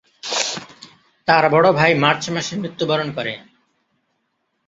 তার বড় ভাই মার্চ মাসে মৃত্যুবরণ করে।